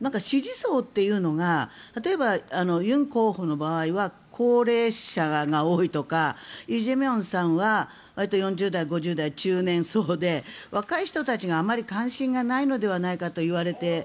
支持層というのが例えば、ユン候補の場合は高齢者が多いとかイ・ジェミョンさんはわりと４０代、５０代の中年層で若い人たちがあまり関心がないのではないかといわれて。